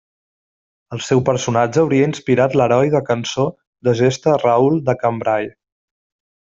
El seu personatge hauria inspirat l'heroi de cançó de gesta Raül de Cambrai.